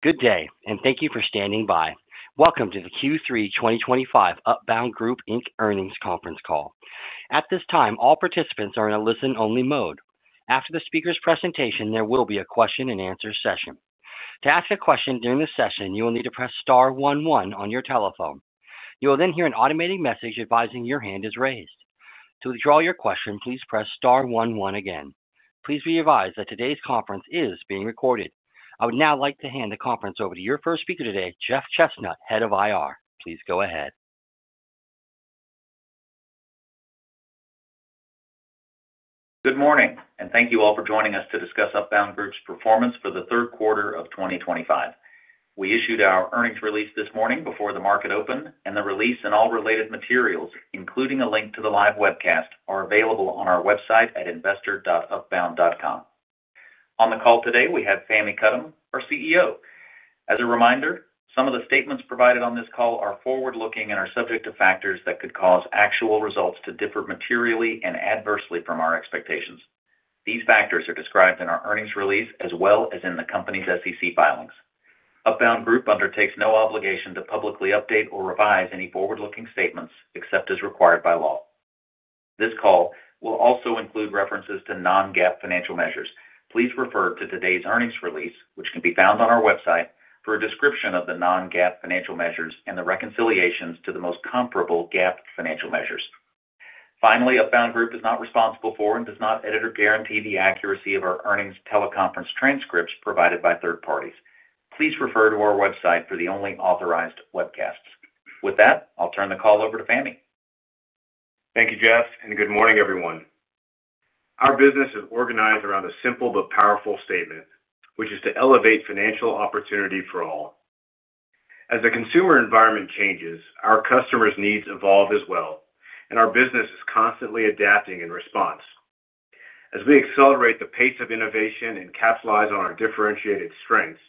Good day and thank you for standing by. Welcome to the Q3 2025 Upbound Group Inc. Earnings Conference Call. At this time, all participants are in a listen-only mode. After the speaker's presentation, there will be a question and answer session. To ask a question during the session, you will need to press star 11 on your telephone. You will then hear an automated message advising your hand is raised. To withdraw your question, please press star one one again. Please be advised that today's conference is being recorded. I would now like to hand the conference over to your first speaker today, Jeff Chesnut, Head of IR. Please go ahead. Good morning and thank you all for joining us to discuss Upbound Group's performance for the third quarter of 2025. We issued our earnings release this morning before the market opened, and the release and all related materials, including a link to the live webcast, are available on our website at investor.upbound.com. On the call today we have Fahmi Karam, our CEO. As a reminder, some of the statements provided on this call are forward looking and are subject to factors that could cause actual results to differ materially and adversely from our expectations. These factors are described in our earnings release as well as in the company's SEC filings. Upbound Group undertakes no obligation to publicly update or revise any forward looking statements except as required by law. This call will also include references to non-GAAP financial measures. Please refer to today's earnings release, which can be found on our website, for a description of the non-GAAP financial measures and the reconciliations to the most comparable GAAP financial measures. Finally, Upbound Group is not responsible for and does not edit or guarantee the accuracy of our earnings teleconference transcripts provided by third parties. Please refer to our website for the only authorized webcasts. With that, I'll turn the call over to Fahmi. Thank you, Jeff, and good morning, everyone. Our business is organized around a simple but powerful statement, which is to elevate financial opportunity for all. As the consumer environment changes, our customers' needs evolve as well, and our business is constantly adapting in response. As we accelerate the pace of innovation and capitalize on our differentiated strengths,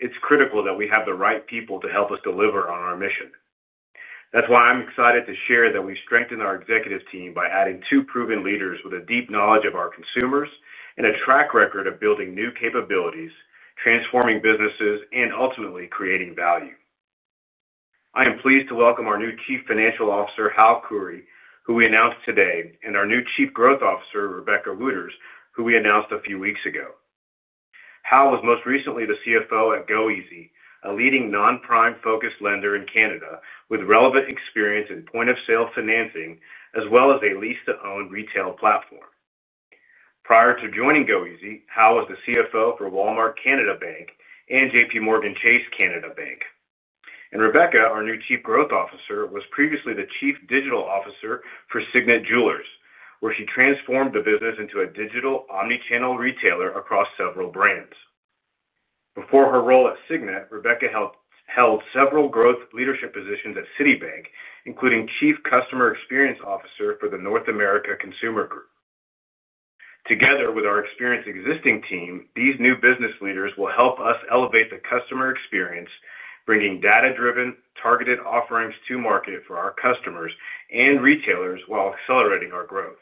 it's critical that we have the right people to help us deliver on our mission. That's why I'm excited to share that we strengthened our executive team by adding two proven leaders with a deep knowledge of our consumers and a track record of building new capabilities, transforming businesses, and ultimately creating value. I am pleased to welcome our new Chief Financial Officer, Hal Khoury, who we announced today, and our new Chief Growth Officer, Rebecca Wooters, who we announced a few weeks ago. Hal was most recently the CFO at Goeasy, a leading non-prime focused lender in Canada with relevant experience in point of sale financing as well as a lease-to-own retail platform. Prior to joining Goeasy, Hal was the CFO for Walmart Canada Bank and JPMorgan Chase Canada Bank. Rebecca, our new Chief Growth Officer, was previously the Chief Digital Officer for Signet Jewelers, where she transformed the business into a digital omnichannel retailer across several brands. Before her role at Signet, Rebecca held several growth leadership positions at Citibank, including Chief Customer Experience Officer for the North America Consumer Group. Together with our experienced existing team, these new business leaders will help us elevate the customer experience, bringing data-driven targeted offerings to market for our customers and retailers while accelerating our growth.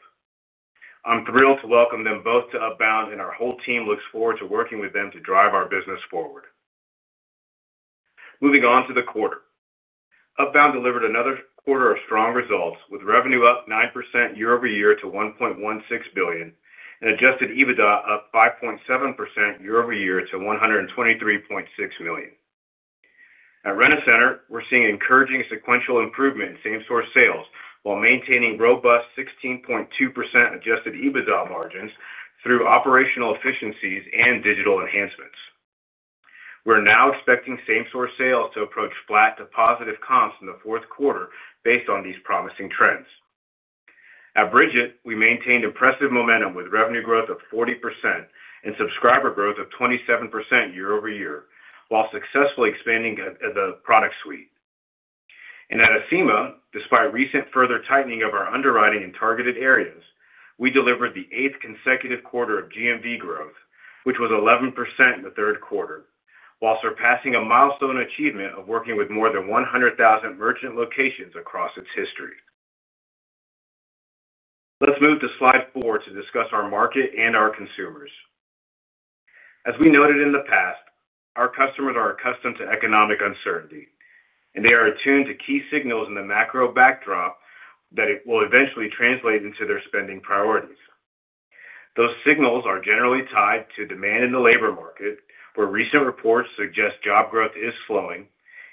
I'm thrilled to welcome them both to Upbound, and our whole team looks forward to working with them to drive our business forward. Moving on to the quarter, Upbound delivered another quarter of strong results with revenue up 9% year-over-year to $1.16 billion and adjusted EBITDA up 5.7% year-over-year to $123.6 million. At Rent-A-Center, we're seeing encouraging sequential improvement in same-store sales while maintaining robust 16.2% adjusted EBITDA margins through operational efficiencies and digital enhancements. We're now expecting same-store sales to approach flat to positive comps in the fourth quarter based on these promising trends. At Brigit, we maintained impressive momentum with revenue growth of 40% and subscriber growth of 27% year-over-year while successfully expanding the product suite. At Acima, despite recent further tightening of our underwriting in targeted areas, we delivered the eighth consecutive quarter of GMV growth, which was 11% in the third quarter, while surpassing a milestone achievement of working with more than 100,000 merchant locations across its history. Let's move to slide four to discuss our market and our consumers. As we noted in the past, our customers are accustomed to economic uncertainty and they are attuned to key signals in the macro backdrop and that it will eventually translate into their spending priorities. Those signals are generally tied to demand in the labor market, where recent reports suggest job growth is slowing,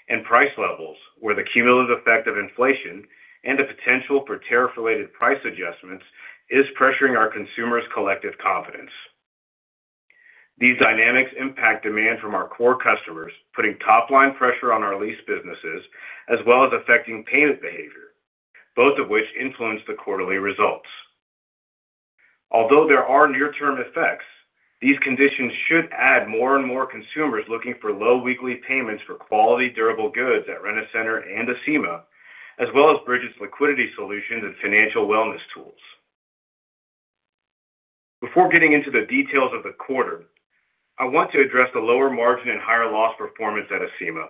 and price levels where the cumulative effect of inflation and the potential for tariff-related price adjustments is pressuring our consumers' collective confidence. These dynamics impact demand from our core customers, putting top-line pressure on our lease businesses as well as affecting payment behavior, both of which influence the quarterly results. Although there are near-term effects, these conditions should add more and more consumers looking for low weekly payments for quality durable goods at Rent-A-Center and Acima, as well as Brigit's liquidity solutions and financial wellness tools. Before getting into the details of the quarter, I want to address the lower margin and higher loss performance at Acima.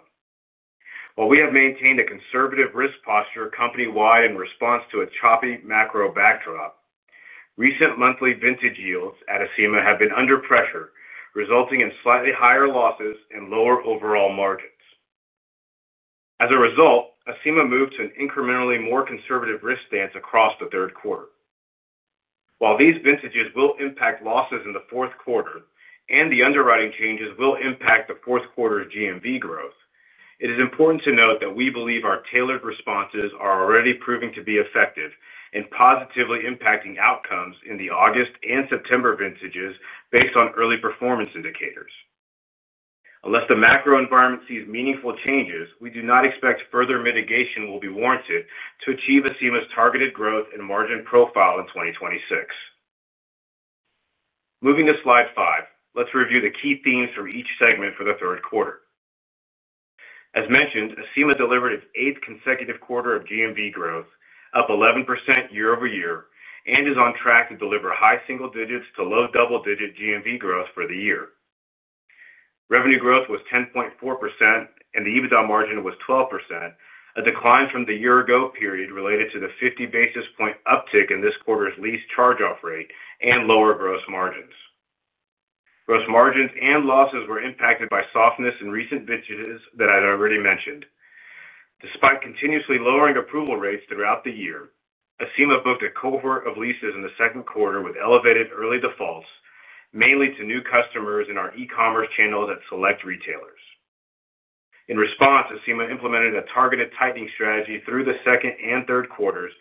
While we have maintained a conservative risk posture company-wide in response to a choppy macro backdrop, recent monthly vintage yields at Acima have been under pressure, resulting in slightly higher losses and lower overall margins. As a result, Acima moved to an incrementally more conservative risk stance across the third quarter. While these vintages will impact losses in the fourth quarter and the underwriting changes will impact the fourth quarter GMV growth, it is important to note that we believe our tailored responses are already proving to be effective and positively impacting outcomes in the August and September vintages based on early performance indicators. Unless the macro environment sees meaningful changes, we do not expect further mitigation will be warranted to achieve Acima's targeted growth margin profile in 2026. Moving to slide five, let's review the key themes for each segment for the third quarter. As mentioned, Acima delivered its eighth consecutive quarter of GMV growth, up 11% year-over-year, and is on track to deliver high single digits to low double digit GMV growth. For the year, revenue growth was 10.4% and the EBITDA margin was 12%, a decline from the year ago period related to the 50 basis point uptick in this quarter's lease charge-off rate and lower gross margins. Gross margins and losses were impacted by softness in recent vintages that I'd already mentioned. Despite continuously lowering approval rates throughout the year, Acima booked a cohort of leases in the second quarter with elevated early defaults, mainly to new customers in our e-commerce channels at select retailers. In response, Acima implemented a targeted tightening strategy through the second and third quarters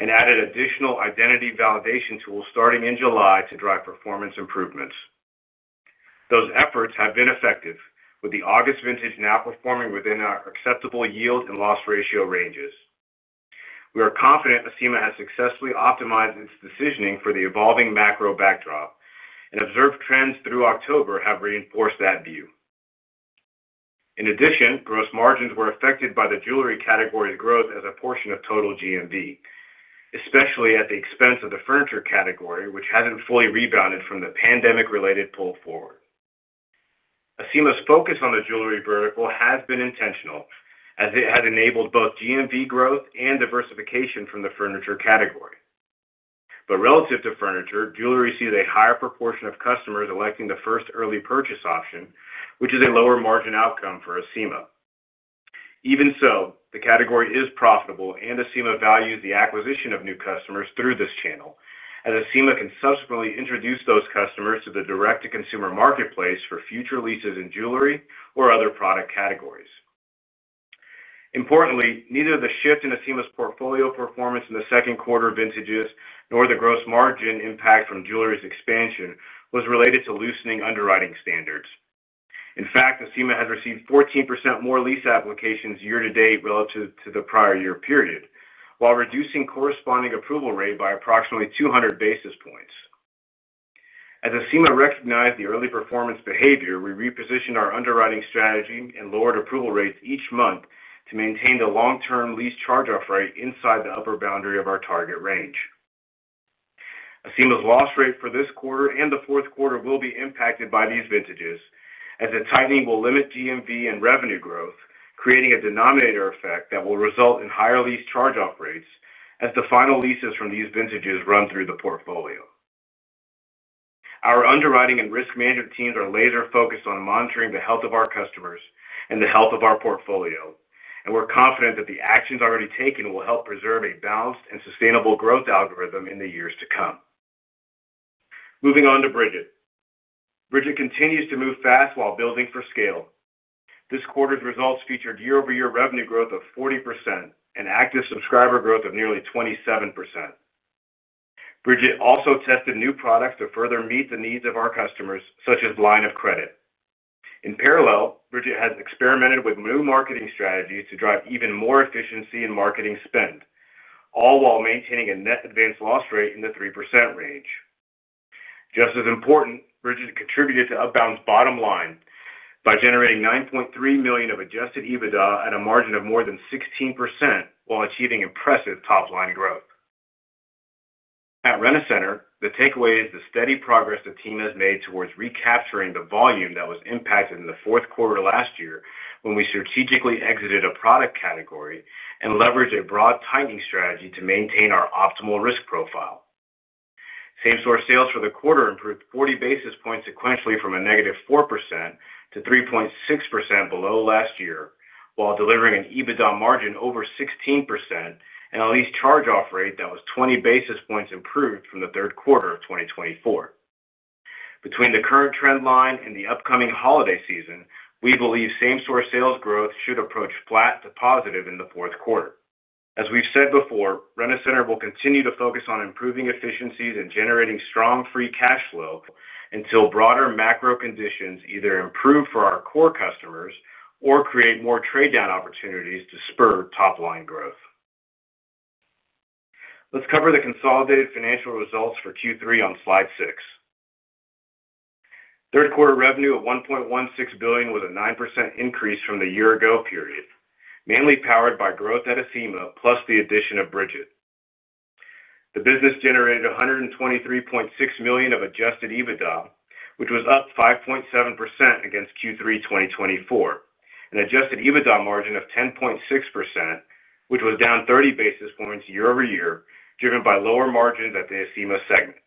and added additional identity validation tools starting in July to drive performance improvements. Those efforts have been effective with the August vintage now performing within our acceptable yield and loss ratio ranges. We are confident Acima has successfully optimized its decisioning for the evolving macro backdrop. Observed trends through October have reinforced that view. In addition, gross margins were affected by the jewelry category's growth as a portion of total GMV, especially at the expense of the furniture category, which hasn't fully rebounded from the pandemic-related pull forward. Acima's focus on the jewelry vertical has been intentional as it has enabled both GMV growth and diversification from the furniture category, but relative to furniture, jewelry sees a higher proportion of customers electing the first early purchase option, which is a lower margin outcome for Acima. Even so, the category is profitable and Acima values the acquisition of new customers through this channel as Acima can subsequently introduce those customers to the direct to consumer marketplace for future leases in jewelry or other product categories. Importantly, neither the shift in Acima's portfolio performance in the second quarter vintages nor the gross margin impact from jewelry's expansion was related to loosening underwriting standards. In fact, Acima has received 14% more lease applications year to date relative to the prior year period while reducing corresponding approval rate by approximately 200 basis points. As Acima recognized the early performance behavior, we repositioned our underwriting strategy and lowered approval rates each month to maintain the long term lease charge-off rate inside the upper boundary of our target range. Acima's loss rate for this quarter and the fourth quarter will be impacted by these vintages as the tightening will limit GMV and revenue growth, creating a denominator effect that will result in higher lease charge-off rates as the final leases from these vintages run through the portfolio. Our underwriting and risk management teams are laser focused on monitoring the health of our customers and the health of our portfolio, and we're confident that the actions already taken will help preserve a balanced and sustainable growth algorithm in the years to come. Moving on to Brigit, Brigit continues to move fast while building for scale. This quarter's results featured year-over-year revenue growth of 40% and active subscriber growth of nearly 27%. Brigit also tested new products to further meet the needs of our customers, such as line of credit. In parallel, Brigit has experimented with new marketing strategies to drive even more efficiency in marketing spend, all while maintaining a net advanced loss rate in the 3% range. Just as important, Brigit contributed to Upbound's bottom line by generating $9.3 million of adjusted EBITDA at a margin of more than 16% while achieving impressive top line growth at Rent-A-Center. The takeaway is the steady progress the team has made towards recapturing the volume that was impacted in the fourth quarter last year when we strategically exited a product category and leveraged a broad tightening strategy to maintain our optimal risk profile. Same-store sales for the quarter improved 40 basis points sequentially from a negative 4% - 3.6% below last year while delivering an EBITDA margin over 16% and a lease charge-off rate that was 20 basis points improved from the third quarter of 2024. Between the current trend line and the upcoming holiday season, we believe same-store sales growth should approach flat to positive in the fourth quarter. As we've said before, Rent-A-Center will continue to focus on improving efficiencies and generating strong free cash flow until broader macro conditions either improve for our core customers or create more trade down opportunities to spur top line growth. Let's cover the consolidated financial results for Q3 on slide six. Third quarter revenue of $1.16 billion was a 9% increase from the year ago period, mainly powered by growth at Acima plus the addition of Brigit. The business generated $123.6 million of adjusted EBITDA, which was up 5.7% against Q3 2024, and an adjusted EBITDA margin of 10.6%, which was down 30 basis points year-over-year driven by lower margins. At the Acima segment,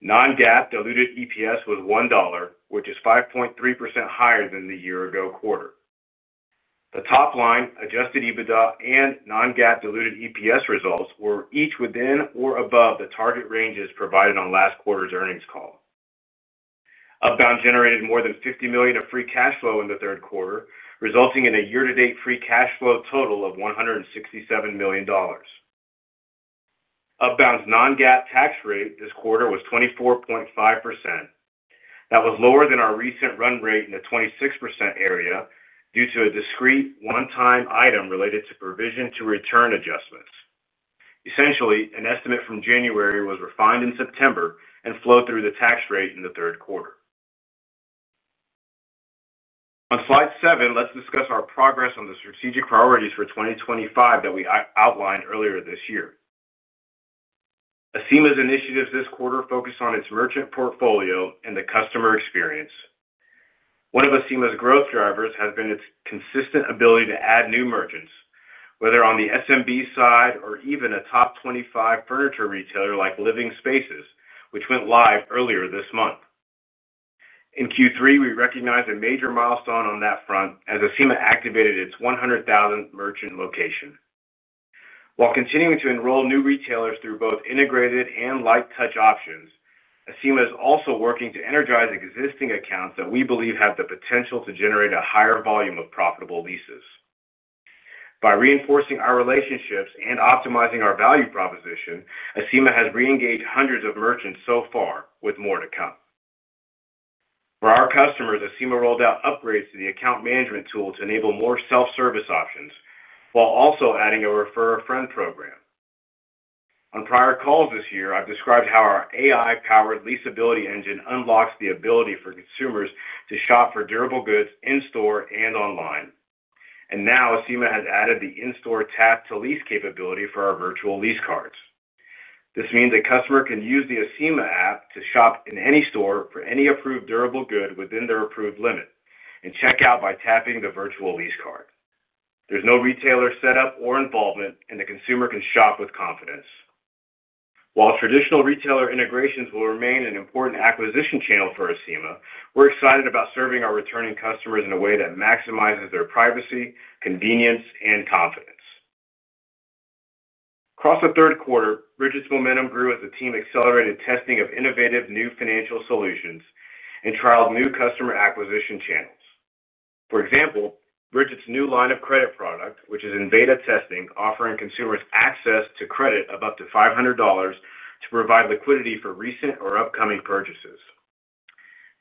non-GAAP diluted EPS was $1, which is 5.3% higher than the year ago quarter. The top line, adjusted EBITDA, and non-GAAP diluted EPS results were each within or above the target ranges provided on last quarter's earnings call. Upbound generated more than $50 million of free cash flow in the third quarter, resulting in a year to date free cash flow total of $167 million. Upbound's non-GAAP tax rate this quarter was 24.5%. That was lower than our recent run rate in the 26% area due to a discrete one-time item related to provision to return adjustments. Essentially, an estimate from January was refined in September and flowed through the tax rate in the third quarter. On slide seven, let's discuss our progress on the strategic priorities for 2025 that we outlined earlier this year. Acima's initiatives this quarter focus on its merchant portfolio and the customer experience. One of Acima's growth drivers has been its consistent ability to add new merchants, whether on the SMB side or even a top 25 furniture retailer like Living Spaces, which went live earlier this month. In Q3, we recognized a major milestone on that front as Acima activated its 100,000th merchant location while continuing to enroll new retailers through both integrated and light touch options. Acima is also working to energize existing accounts that we believe have the potential to generate a higher volume of profitable leases, by reinforcing our relationships and optimizing our value proposition, Acima has reengaged hundreds of merchants so far, with more to come for our customers. Acima rolled out upgrades to the account management tool to enable more self-service options, while also adding a refer-a-friend program on prior calls. This year I've described how our AI-powered leasability engine unlocks the ability for consumers to shop for durable goods in store and online. Now Acima has added the in-store tap-to-lease capability for our virtual lease cards. This means a customer can use the Acima app to shop in any store for any approved durable good within their approved limit and check out by tapping the virtual lease card. There's no retailer setup or involvement, and the consumer can shop with confidence. While traditional retailer integrations will remain an important acquisition channel for Acima, we're excited about serving our returning customers in a way that maximizes their privacy, convenience, and confidence. Across the third quarter, Brigit's momentum grew as the team accelerated testing of innovative new financial solutions and trialed new customer acquisition channels. For example, Brigit's new line of credit product, which is in beta testing, offers consumers access to credit of up to $500 to provide liquidity for recent or upcoming purchases.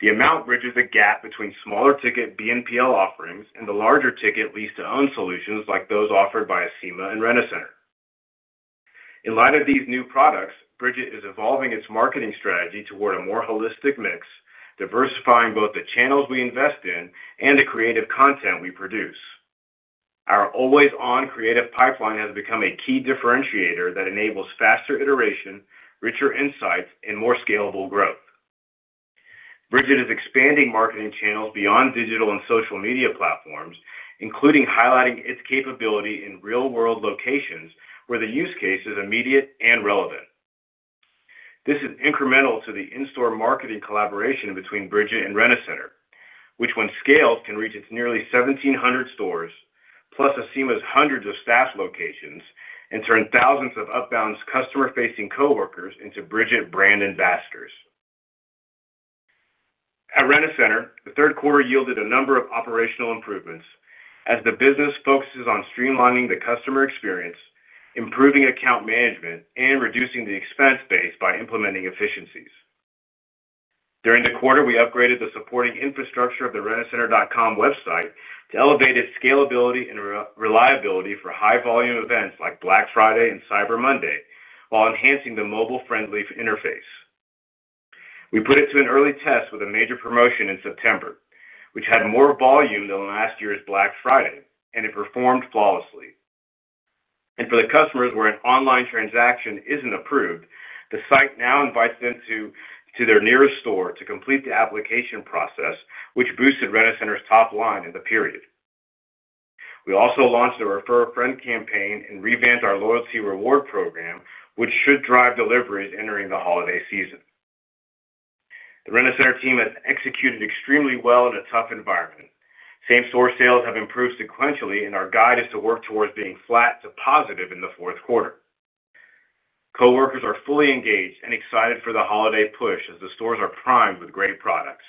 The amount bridges the gap between smaller ticket BNPL offerings and the larger ticket lease-to-own solutions like those offered by Acima and Rent-A-Center. In light of these new products, Brigit is evolving its marketing strategy toward a more holistic mix, diversifying both the channels we invest in and the creative content we produce. Our always-on creative pipeline has become a key differentiator that enables faster iteration, richer insights and more scalable growth. Brigit is expanding marketing channels beyond digital and social media platforms, including highlighting its capability in real world locations where the use case is immediate and relevant. This is incremental to the in store marketing collaboration between Brigit and Rent-A-Center, which when scaled can reach its nearly 1,700 stores plus Acima's hundreds of staffed locations and turn thousands of Upbound's customer facing co-workers into Brigit brand ambassadors. At Rent-A-Center, the third quarter yielded a number of operational improvements as the business focuses on streamlining the customer experience, improving account management, and reducing the expense base by implementing efficiencies. During the quarter, we upgraded the supporting infrastructure of the RentACenter.com website to elevate its scalability and reliability for high volume events like Black Friday and Cyber Monday while enhancing the mobile-friendly interface. We put it to an early test with a major promotion in September, which had more volume than last year's Black Friday, and it performed flawlessly. For the customers where an online transaction isn't approved, the site now invites them to their nearest store to complete the application process, which boosted Rent-A-Center's top line in the period. We also launched a Refer a Friend campaign and revamped our loyalty reward program, which should drive deliveries entering the holiday season. The Rent-A-Center team has executed extremely well in a tough environment. Same-store sales have improved sequentially, and our guide is to work towards being flat to positive in the fourth quarter. Co-workers are fully engaged and excited for the holiday push as the stores are primed with great products.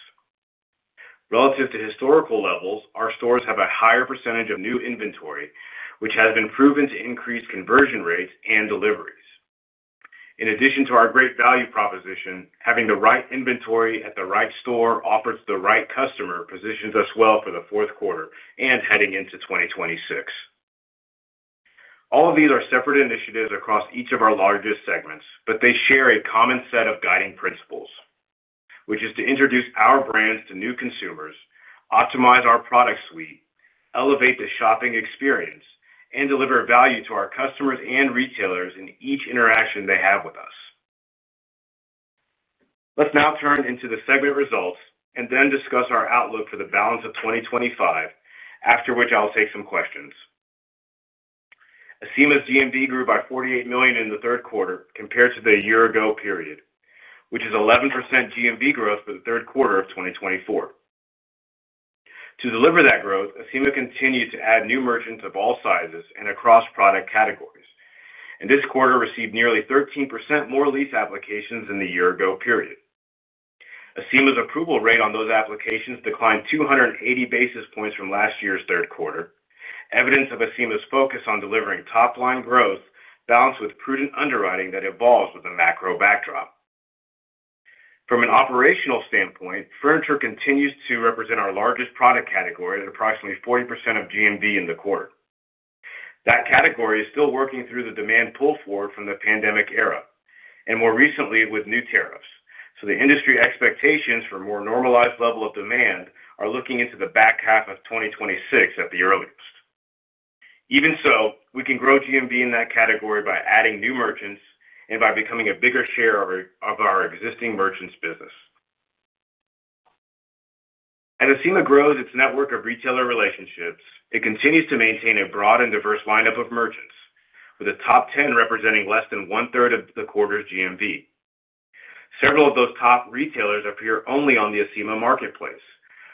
Relative to historical levels, our stores have a higher % of new inventory, which has been proven to increase conversion rates and deliveries. In addition to our great value proposition. Having the right inventory at the right store offers the right customer positions us well for the fourth quarter and heading into 2026. All of these are separate initiatives across each of our largest segments, but they share a common set of guiding principles, which is to introduce our brands to new consumers, optimize our product suite, elevate the shopping experience, and deliver value to our customers and retailers in each interaction they have with us. Let's now turn into the segment results and then discuss our outlook for the balance of 2025, after which I'll take some questions. Acima's GMV grew by $48 million in the third quarter compared to the year-ago period, which is 11% GMV growth for the third quarter of 2024. To deliver that growth, Acima continued to add new merchants of all sizes and across product categories, and this quarter received nearly 13% more lease applications than the year-ago period. Acima's approval rate on those applications declined 280 basis points from last year's third quarter, evidence of Acima's focus on delivering top line growth balanced with prudent underwriting that evolves with a macro backdrop. From an operational standpoint, furniture continues to represent our largest product category at approximately 40% of GMV in the quarter. That category is still working through the demand pull forward from the pandemic era and more recently with new tariffs. The industry expectations for a more normalized level of demand are looking into the back half of 2026 at the earliest. Even so, we can grow GMV in that category by adding new merchants and by becoming a bigger share of our existing merchants' business. As Acima grows its network of retailer relationships, it continues to maintain a broad and diverse lineup of merchants, with the top 10 representing less than 1/3 of the quarter's GMV. Several of those top retailers appear only on the Acima marketplace,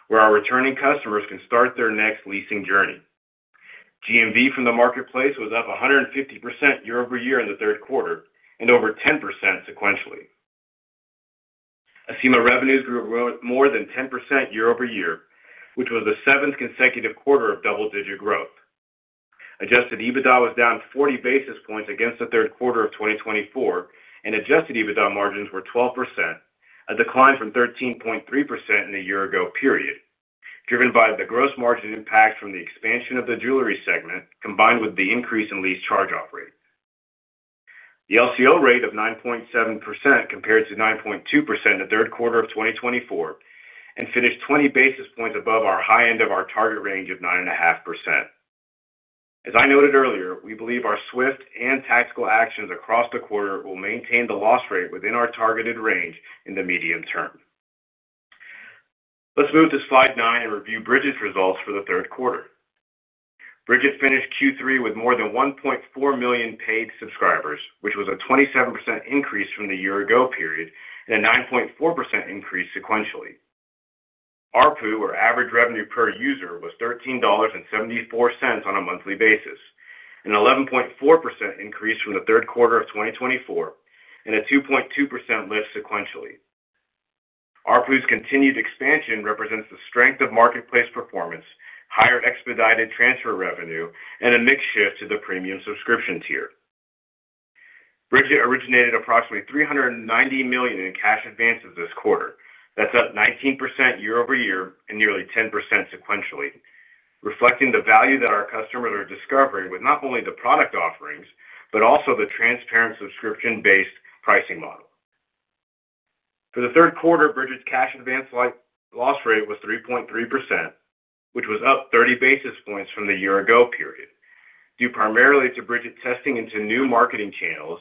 where our returning customers can start their next leasing journey. GMV from the marketplace was up 150% year-over-year in the third quarter and over 10% sequentially. Acima revenues grew more than 10% year-over-year, which was the seventh consecutive quarter of double-digit growth. Adjusted EBITDA was down 40 basis points against the third quarter of 2024, and adjusted EBITDA margins were 12%, a decline from 13.3% in the year-ago period, driven by the gross margin impact from the expansion of the jewelry segment combined with the increase in lease charge-off rate. The LCO rate of 9.7% compared to 9.2% in the third quarter of 2024 and finished 20 basis points above our high end of our target range of 9.5%. As I noted earlier, we believe our swift and tactical actions across the quarter will maintain the loss rate within our targeted range in the medium term. Let's move to slide nine and review Brigit's results for the third quarter. Brigit finished Q3 with more than 1.4 million paid subscribers, which was a 27% increase from the year ago period and a 9.4% increase sequentially. ARPU, or average revenue per user, was $13.74 on a monthly basis, an 11.4% increase from the third quarter of 2024 and a 2.2% lift sequentially. ARPU's continued expansion represents the strength of marketplace performance, higher expedited transfer revenue, and a mix shift to the premium subscription tier. Brigit originated approximately $390 million in cash advances this quarter. That's up 19% year-over-year and nearly 10% sequentially, reflecting the value that our customers are discovering with not only the product offerings but also the transparent subscription-based pricing model. For the third quarter, Brigit's cash advance loss rate was 3.3%, which was up 30 basis points from the year-ago period due primarily to Brigit testing into new marketing channels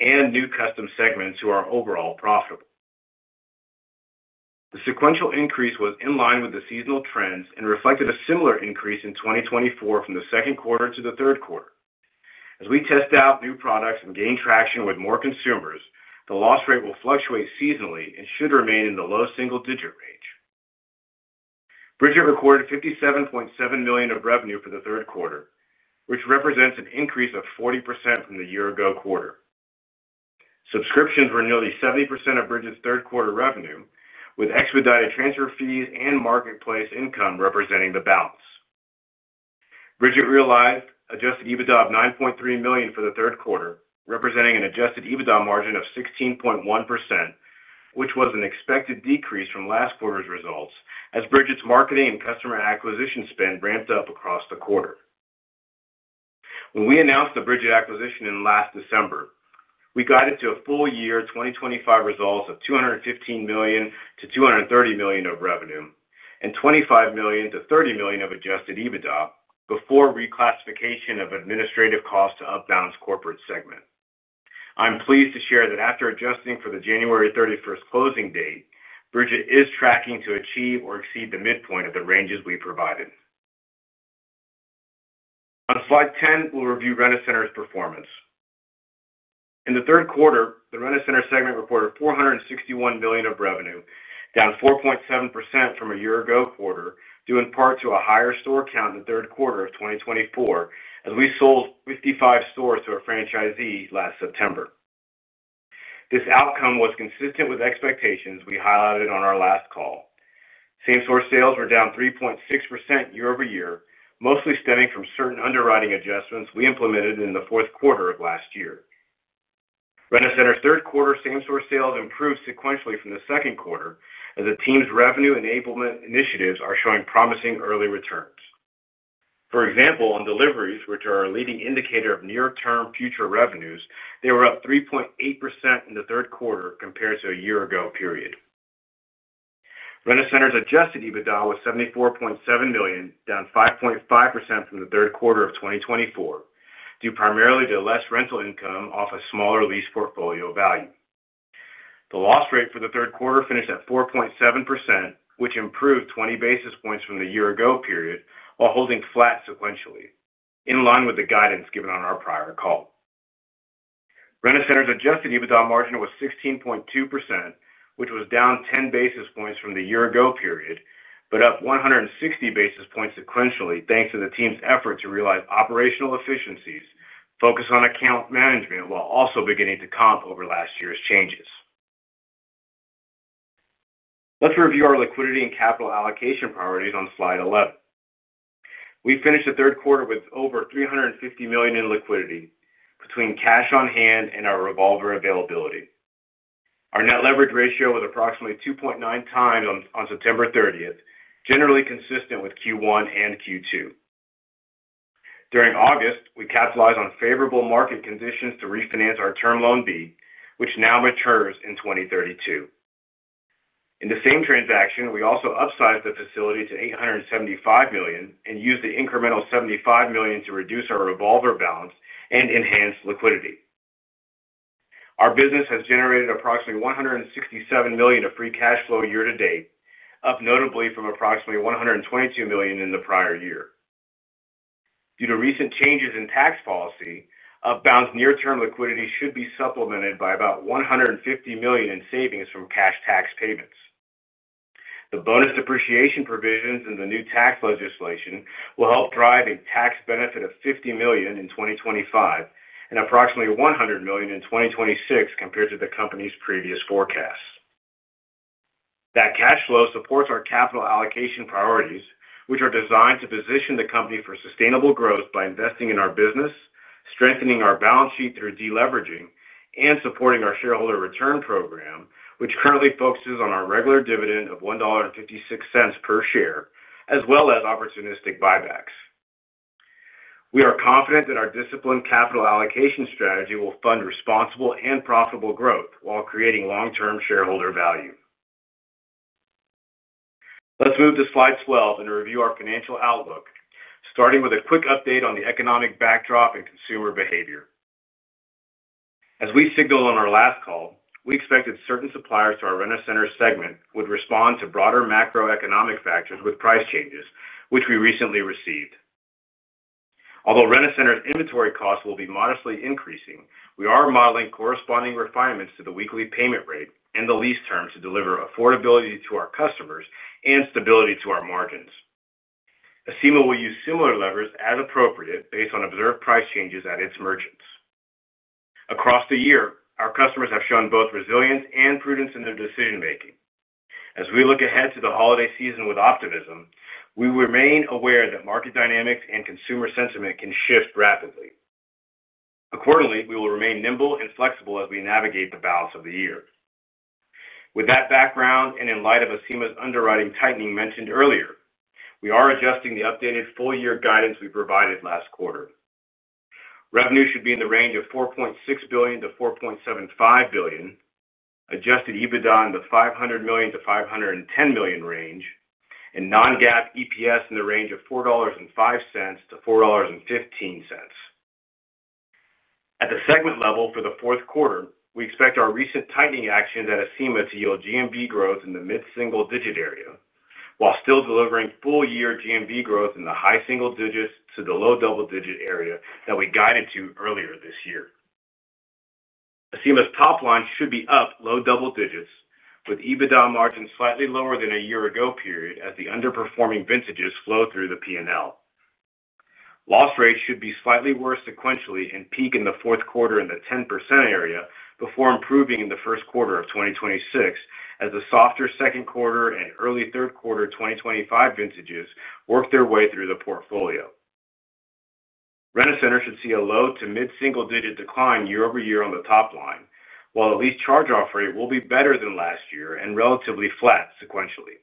and new customer segments who are overall profitable. The sequential increase was in line with the seasonal trends and reflected a similar increase in 2024 from the second quarter to the third quarter. As we test out new products and gain traction with more consumers, the loss rate will fluctuate seasonally and should remain in the low single-digit range. Brigit recorded $57.7 million of revenue for the third quarter, which represents an increase of 40% from the year-ago quarter. Subscriptions were nearly 70% of Brigit's third quarter revenue, with expedited transfer fees and marketplace income representing the balance. Brigit realized adjusted EBITDA of $9.3 million for the third quarter, representing an adjusted EBITDA margin of 16.1%, which was an expected decrease from last quarter's results as Brigit's marketing and customer acquisition spend ramped up across the quarter. When we announced the Brigit acquisition last December, we guided to full year 2025 results of $215 million - $230 million of revenue and $25 million - $30 million of adjusted EBITDA before reclassification of administrative cost to Upbound's corporate segment. I'm pleased to share that after adjusting for the January 31 closing date, Brigit is tracking to achieve or exceed the midpoint of the ranges we provided. On slide ten, we'll review Rent-A-Center's performance in the third quarter. The Rent-A-Center segment reported $461 million of revenue, down 4.7% from a year-ago quarter due in part to a higher store count in the third quarter of 2024 as we sold 55 stores to a franchisee last September. This outcome was consistent with expectations we highlighted on our last call. Same-store sales were down 3.6% year-over-year, mostly stemming from certain underwriting adjustments we implemented in the fourth quarter of last year. Rent-A-Center's third quarter same-store sales improved sequentially from the second quarter as the team's revenue enablement initiatives are showing promising early returns. For example, on deliveries, which are a leading indicator of near-term future revenues, they were up 3.8% in the third quarter compared to a year-ago period. Rent-A-Center's adjusted EBITDA was $74.7 million, down 5.5% from the third quarter of 2024, due primarily to less rental income off a smaller lease portfolio value. The loss rate for the third quarter finished at 4.7%, which improved 20 basis points from the year-ago period while holding flat sequentially. In line with the guidance given on our prior call. Rent-A-Center's adjusted EBITDA margin was 16.2%, which was down 10 basis points from the year-ago period, but up 160 basis points sequentially thanks to the team's effort to realize operational efficiencies, focus on account management, while also beginning to comp over last year's changes. Let's review our liquidity and capital allocation priorities on slide 11. We finished the third quarter with over $350 million in liquidity between cash on hand and our revolver availability. Our net leverage ratio was approximately 2.9 times on September 30, generally consistent with Q1 and Q2. During August, we capitalized on favorable market conditions to refinance our Term Loan B, which now matures in 2032. In the same transaction, we also upsized the facility to $875 million and used the incremental $75 million to reduce our revolver balance and enhance liquidity. Our business has generated approximately $167 million of free cash flow year to date, up notably from approximately $122 million in the prior year. Due to recent changes in tax policy, Upbound's near-term liquidity should be supplemented by about $150 million in savings from cash tax payments. The bonus depreciation provisions in the new tax legislation will help drive a tax benefit of $50 million in 2025 and approximately $100 million in 2026. Compared to the company's previous forecasts, that cash flow supports our capital allocation priorities, which are designed to position the company for sustainable growth. By investing in our business, strengthening our balance sheet through deleveraging, and supporting our shareholder return program, which currently focuses on our regular dividend of $1.56 per share as well as opportunistic buybacks, we are confident that our disciplined capital allocation strategy will fund responsible and profitable growth while creating long-term shareholder value. Let's move to slide 12 and review our financial outlook, starting with a quick update on the economic backdrop and consumer behavior. As we signaled on our last call, we expected certain suppliers to our Rent-A-Center segment would respond to broader macroeconomic factors with price changes, which we recently received. Although Rent-A-Center's inventory costs will be modestly increasing, we are modeling corresponding refinements to the weekly payment rate and the lease term to deliver affordability to our customers and stability to our margins. Acima will use similar levers as appropriate based on observed price changes at its merchants across the year. Our customers have shown both resilience and prudence in their decision making. As we look ahead to the holiday season with optimism, we remain aware that market dynamics and consumer sentiment can shift rapidly. Accordingly, we will remain nimble and flexible as we navigate the balance of the year. With that background and in light of Acima's underwriting tightening mentioned earlier, we are adjusting the updated full year guidance we provided last quarter. Revenue should be in the range of $4.6 billion - $4.75 billion, adjusted EBITDA in the $500 million - $510 million range, and non-GAAP EPS in the range of $4.05 - $4.15. At the segment level for the fourth quarter, we expect our recent tightening actions at Acima to yield GMV growth in the mid single digit area while still delivering full year GMV growth in the high single digits to the low double digit area that we guided to earlier this year. Acima's top line should be up low double digits with EBITDA margins slightly lower than a year ago period. As the underperforming vintages flow through the P&L, loss rates should be slightly worse sequentially and peak in the fourth quarter in the 10% area before improving in the first quarter of 2026. As the softer second quarter and early third quarter 2025 vintages work their way through the portfolio, Rent-A-Center should see a low to mid single digit decline year-over-year on the top line while the lease charge-off rate will be better than last year and relatively flat sequentially.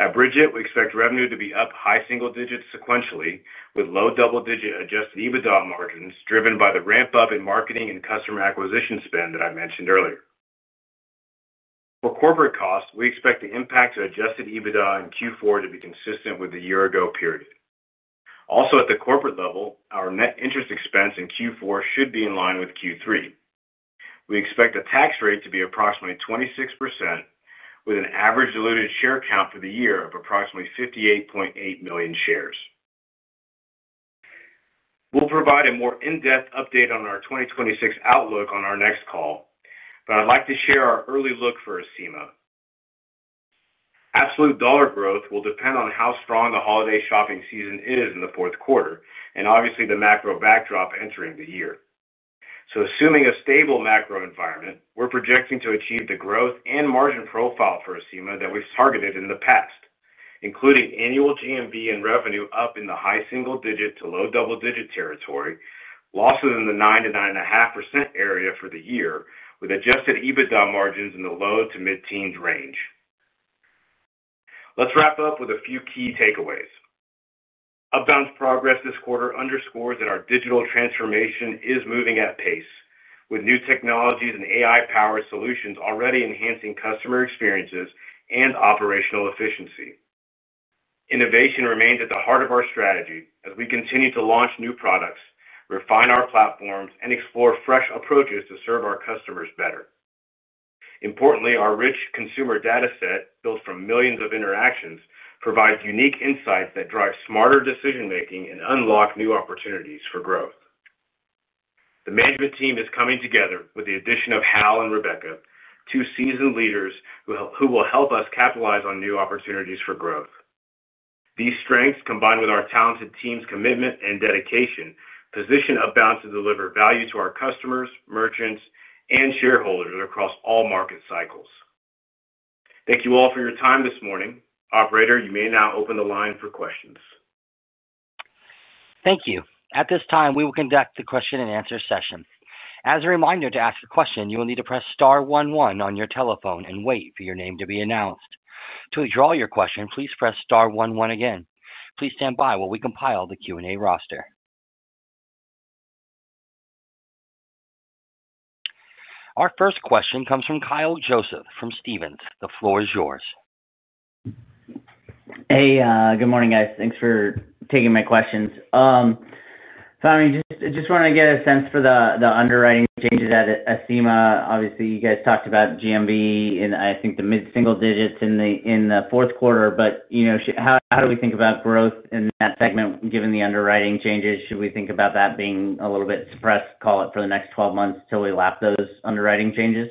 At Brigit, we expect revenue to be up high single digits sequentially with low double digit adjusted EBITDA margins driven by the ramp up in marketing and customer acquisition spend that I mentioned earlier. For corporate costs, we expect the impact to adjusted EBITDA in Q4 to be. Consistent with the year ago period. Also at the corporate level, our net interest expense in Q4 should be in line with Q3. We expect the tax rate to be approximately 26% with an average diluted share count for the year of approximately 58.8 million shares. We'll provide a more in-depth update on our 2026 outlook on our next call, but I'd like to share our early look for Acima. Absolute dollar growth will depend on how strong the holiday shopping season is in the fourth quarter and obviously the macro backdrop entering the year. Assuming a stable macro environment, we're projecting to achieve the growth and margin profile for Acima that we've targeted in the past, including annual GMV and revenue up in the high single digit to low double digit territory, losses in the 9% - 9.5% area for the year, with adjusted EBITDA margins in the low to mid teens range. Let's wrap up with a few key takeaways. Upbound's progress this quarter underscores that our digital transformation is moving at pace with new technologies and AI-powered solutions already enhancing customer experiences and operational efficiency. Innovation remains at the heart of our strategy as we continue to launch new products, refine our platforms, and explore fresh approaches to serve our customers better. Importantly, our rich consumer data set built from millions of interactions provides unique insights that drive smarter decision making and unlock new opportunities for growth. The management team is coming together with the addition of Hal and Rebecca, two seasoned leaders who will help us capitalize on new opportunities for growth. These strengths combined with our talented team's commitment and dedication position Upbound to deliver value to our customers, merchants, and shareholders across all market cycles. Thank you all for your time this morning. Operator, you may now open the line for questions. Thank you. At this time we will conduct the question and answer session. As a reminder, to ask a question, you will need to press star one one on your telephone and wait for your name to be announced. To withdraw your question, please press star one one again. Please stand by while we compile the Q and A roster. Our first question comes from Kyle Joseph from Stephens. The floor is yours. Hey, good morning guys. Thanks for taking my questions. Just wanted to get a sense for the underwriting changes at Acima. Obviously, you guys talked about GMV in, I think, the mid single digits in the fourth quarter. How do we think about growth in that segment given the underwriting changes? Should we think about that being a little bit suppressed, call it for the next 12 months till we lap those underwriting changes?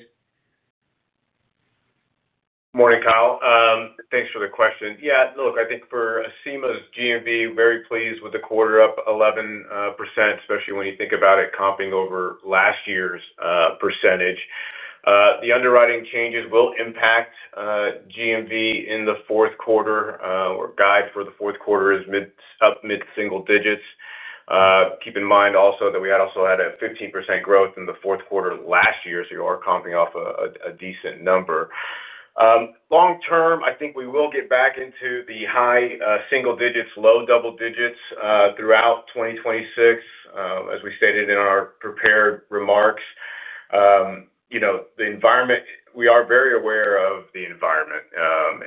Morning Kyle. Thanks for the question. Yeah, look, I think for Acima's GMV, very pleased with the quarter, up 11%, especially when you think about it comping over last year's percentage. The underwriting changes will impact GMV in the fourth quarter. Our guide for the fourth quarter is up mid single digits. Keep in mind also that we also had a 15% growth in the fourth quarter last year. You are comping off a decent number. Long term, I think we will get back into the high single digits, low double digits throughout 2026 as we stated in our prepared remarks. The environment, we are very aware of the environment.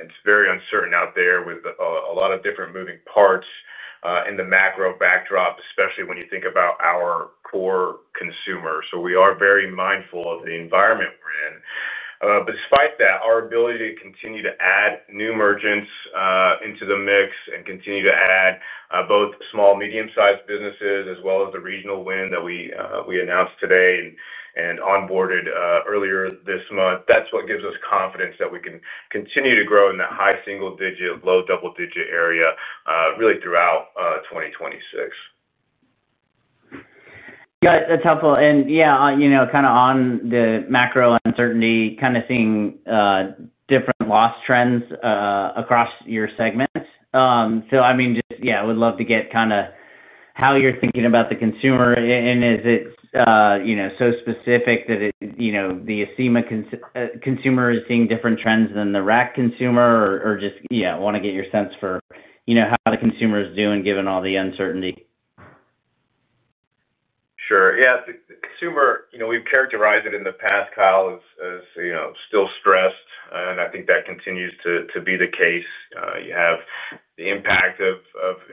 It's very uncertain out there with a lot of different moving parts in the macro backdrop, especially when you think about our core consumer. We are very mindful of the environment we're in. Despite that, our ability to continue to add new merchants into the mix and continue to add both small and medium sized businesses as well as the regional win that we announced today and onboarded earlier this month, that's what gives us confidence that we can continue to grow in that high single digit low double digit area really throughout 2026. Yeah, that's helpful. Kind of on the macro uncertainty, kind of seeing different loss trends across your segments. I would love to get how you're thinking about the consumer and is it so specific that the Acima consumer is seeing different trends than the Rent-A-Center consumer? I just want to get your sense for how the consumer is doing given all the uncertainty. Sure, yeah. Consumer. We've characterized it in the past, Kyle, as still stressed. I think that continues to be the case. You have the impact of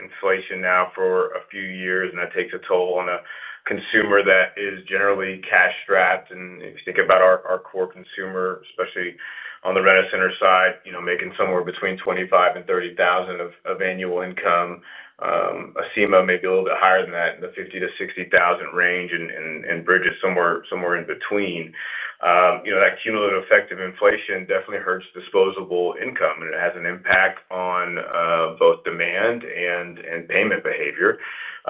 inflation now for a few years, and that takes a toll on a consumer that is generally cash strapped. If you think about our core consumer, especially on the Rent-A-Center side, making somewhere between $25,000 and $30,000 of annual income, Acima may be a little bit higher than that in the $50,000 - $60,000 range, and Brigit is somewhere in between. That cumulative effect of inflation definitely hurts disposable income. It has an impact on both demand and payment behavior.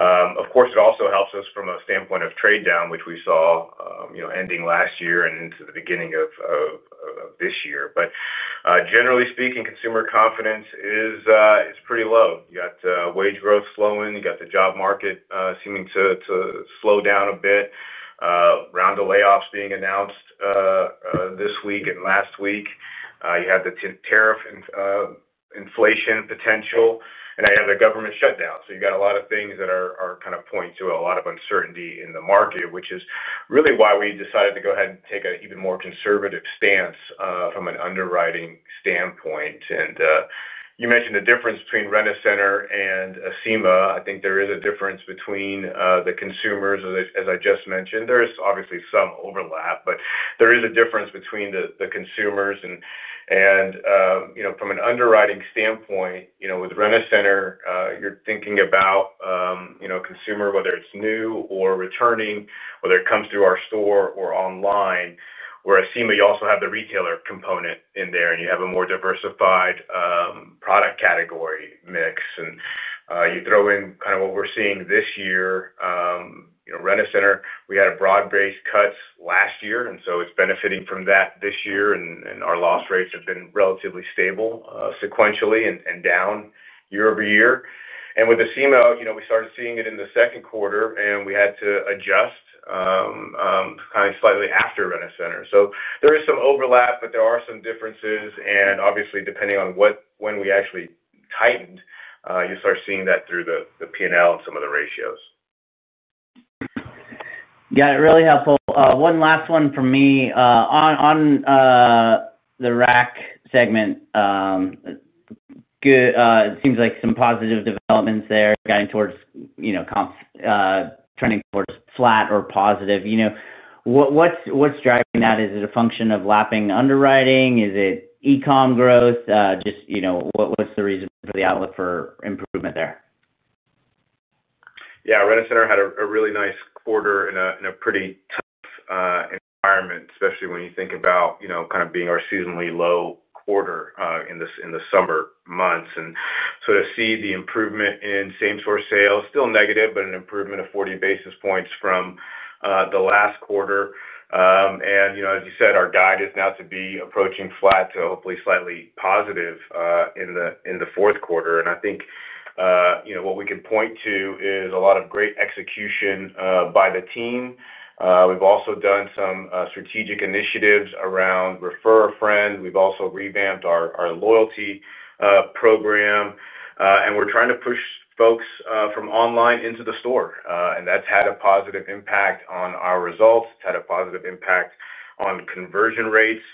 Of course, it also helps us from a standpoint of trade down, which we saw ending last year and into the beginning of this year. Generally speaking, consumer confidence is pretty low. You got wage growth slowing, you got the job market seeming to slow down a bit. A round of layoffs being announced this week. Last week you had the tariff inflation potential and you have the government shutdown. You got a lot of things that are kind of point to a lot of uncertainty in the market which is really why we decided to go ahead and take an even more conservative stance from an underwriting standpoint. You mentioned the difference between Rent-A-Center and Acima. I think there is a difference between the consumers, as I just mentioned, there is obviously some overlap, but there is a difference between the consumers. From an underwriting standpoint, with Rent-A-Center you're thinking about consumer whether it's new or returning, whether it comes through our store or online. Whereas Acima, you also have the retailer component in there, and you have a more diversified product category mix. You throw in kind of what we're seeing this year. Rent-A-Center, we had a broad based cut last year, and so it's benefiting from that this year. Our loss rates have been relatively stable sequentially and down year-over-year. With Acima, you know, we started seeing it in the second quarter. And we had to adjust kind of slightly after Rent-A-Center. There is some overlap, but there are some differences. Obviously, depending on when we actually tightened, you start seeing that through the P&L and some of the ratios. Yeah, really helpful. One last one for me on the Rent-A-Center segment, it seems like some positive developments there, guiding towards comps trending towards flat or positive. What's driving that? Is it a function of lapping, underwriting, is it e-commerce growth? What's the reason for the outlook for improvement there? Yeah, Rent-A-Center had a really nice quarter in a pretty tight quarter environment, especially when you think about, you know, kind of being our seasonally low quarter in the summer months and sort of see the improvement in same-store sales, still negative, but an improvement of 40 basis points from the last quarter. You know, as you said, our guide is now to be approaching flat to hopefully slightly positive in the fourth quarter. I think, you know, what we can point to is a lot of great execution by the team. We've also done some strategic initiatives around refer a friend. We've also revamped our loyalty program, and we're trying to push folks from online into the store, and that's had a positive impact on our results. Had a positive impact on conversion rates.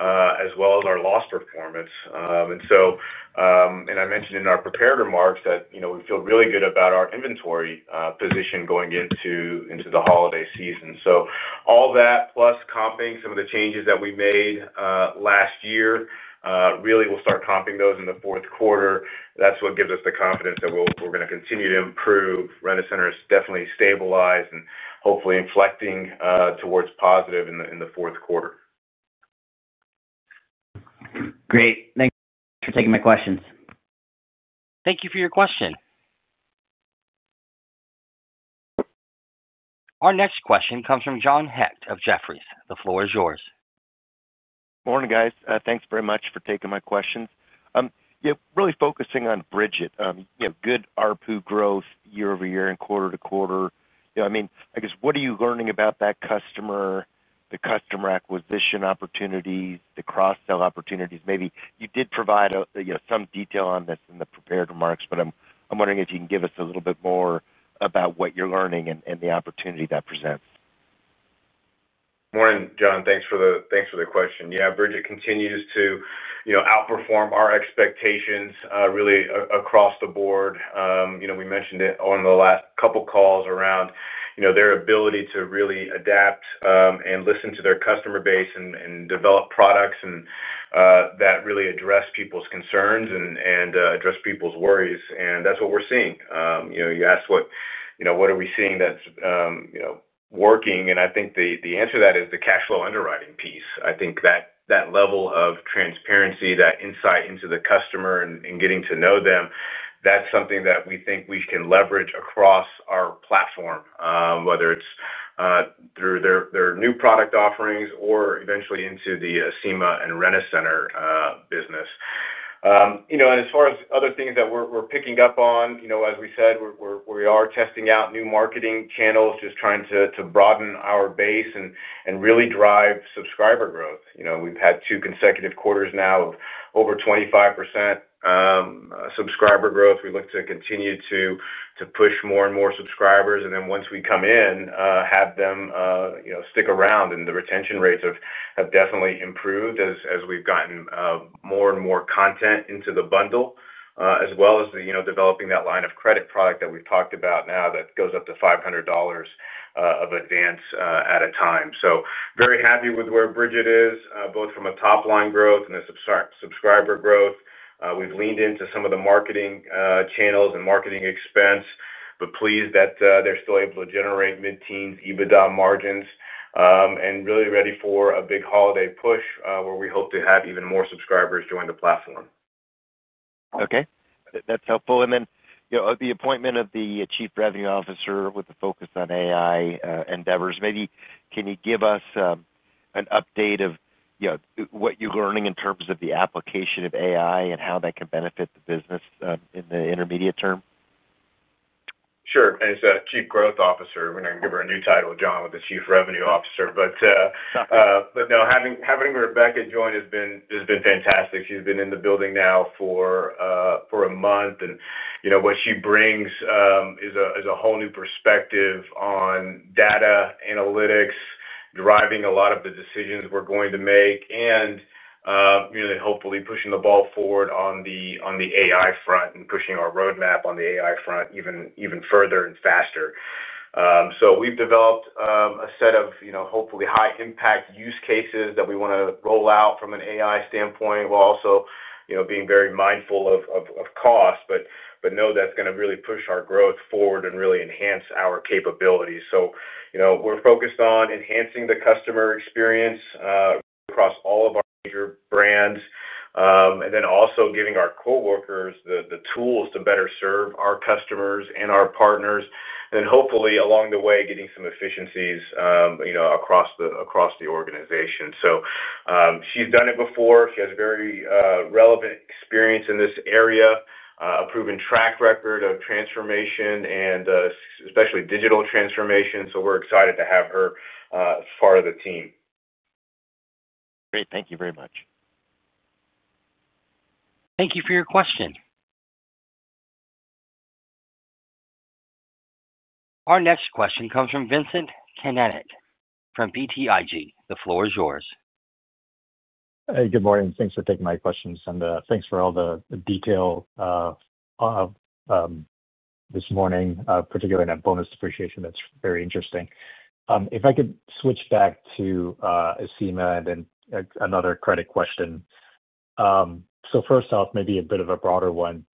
As well as our loss performance. I mentioned in our prepared remarks that we feel really good about our inventory position going into the holiday season. All that plus comping some of the changes that we made last year, really, we'll start comping those in the fourth quarter. That's what gives us the confidence that.e're going to continue to improve. Rent-A-Center is definitely stabilized and hopefully inflecting towards positive in the fourth quarter. Great. Thanks for taking my questions. Thank you for your question. Our next question comes from John Hecht of Jefferies. The floor is yours. Morning guys. Thanks very much for taking my questions. Really focusing on Brigit. Good ARPU growth year-over-year and quarter-to-quarter. I mean, I guess what are you learning about that customer, the customer acquisition opportunities, the cross-sell opportunities. Maybe you did provide some detail on this in the remarks, but I'm wondering if you can give us a little bit more about what you're learning and the opportunity that presents. Morning, John. Thanks for the question. Yeah, Brigit continues to outperform our expectations really across the board. We mentioned it on the last couple calls around their ability to really adapt and listen to their customer base and develop products that really address people's concerns and address people's worries, and that's what we're seeing. You know, you asked what, you know, what are we seeing that's, you know, working. I think the answer to that is the cash flow underwriting piece. I think that level of transparency, that insight into the customer and getting to know them, that's something that we think we can leverage across our platform, whether it's through their new product offerings or eventually into Acima and Rent-A-Center business as far as other things that we're picking up on, as we said, we are testing out new marketing channels, just trying to broaden our base and really drive subscriber growth. We've had two consecutive quarters now of over 25% subscriber growth. We look to continue to push more and more subscribers, and once we come in, have them stick around. The retention rates have definitely improved as we've gotten more and more content into the bundle, as well as developing that line of credit product that we've talked about now that goes up to $500 of advance at a time. Very happy with where Brigit is. Both from a top line growth and a subscriber growth, we've leaned into some of the marketing channels and marketing expense, but pleased that they're still able to generate mid teens EBITDA margins and really ready for a big holiday push where we hope to have even more subscribers join the platform. Okay, that's helpful. The appointment of the Chief Revenue Officer with the focus on AI endeavors, maybe can you give us an update of what you're learning in terms of the application of AI and how that can benefit the business in the intermediate term? Sure. As Chief Growth Officer, we're going to give her a new title, John with the Chief Revenue Officer. Having Rebecca join has been fantastic. She's been in the building now for a month, and what she brings is a whole new perspective on data analytics, driving a lot of the decisions we're going to make and really hopefully pushing the ball forward on the AI front and pushing our roadmap on the AI front even further and faster. We've developed a set of hopefully high impact use cases that we want to roll out from an AI standpoint while also being very mindful of cost. We know that's going to really push our growth forward and really enhance our capabilities. We're focused on enhancing the customer experience across all of our brands and also giving our coworkers the tools to better serve our customers and our partners and hopefully along the way getting some efficiencies across the organization. She's done it before. She has very relevant experience in this area, a proven track record of transformation, and especially digital transformation. We're excited to have her as part of the team. Great. Thank you very much. Thank you for your question. Our next question comes from Vincent Caintic from BTIG. The floor is yours. Hey, good morning. Thanks for taking my questions and thanks for all the detail this morning, particularly that bonus depreciation. That's very interesting. If I could switch back to Acima. Another credit question. First off, maybe a bit of a broader one.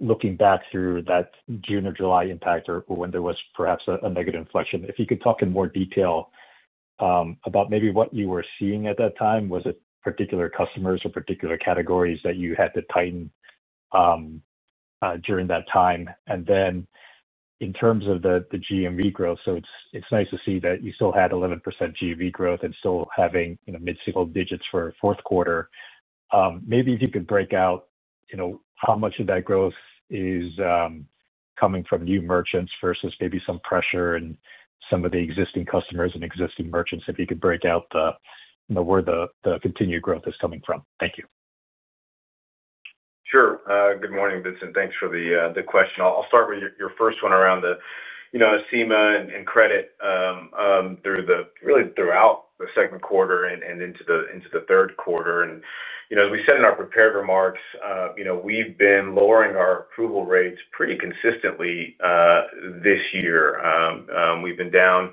Looking back through that June or July impact or when there was perhaps a negative inflection, if you could talk in more detail about maybe what you were seeing at that time, was it particular customers or particular categories that you had to tighten during that time, and then in terms of the GMV growth. It's nice to see you guys, you still had 11% GMV growth and still having, you know, mid single digits for fourth quarter. Maybe if you could break out, you know, how much of that growth is coming from new merchants versus maybe some pressure in some of the existing customers and existing merchants. If you could break out where the continued growth is coming from. Thank you. Sure. Good morning, Vincent. Thanks for the question. I'll start with your first one around Acima and credit really throughout the second quarter and into the third quarter. As we said in our prepared remarks, we've been lowering our approval rates pretty consistently this year. We've been down